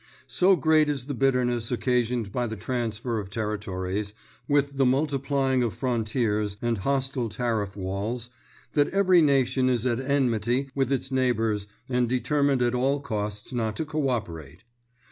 So great is the bitterness occasioned by the transfer of territories, with the multiplying of frontiers and hostile tariff walls, that every nation is at enmity with its neighbours and determined at all costs not to co operate.